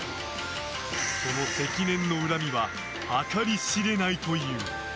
その積年の恨みは計り知れないという。